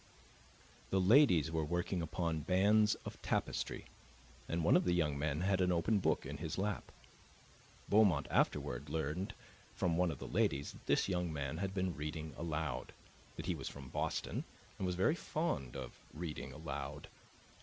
The ladies were working upon bands of tapestry, and one of the young men had an open book in his lap. Beaumont afterward learned from one of the ladies that this young man had been reading aloud, that he was from Boston and was very fond of reading aloud.